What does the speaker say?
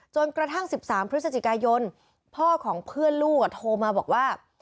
จนกระทั่ง๑๓พฤศจิกายนพ่อของเพื่อนลูกโทรมาบอกว่า